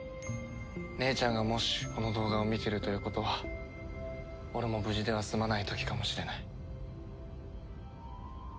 姉ちゃんがもしこの動画を見ているということは俺も無事では済まない時かもしれない。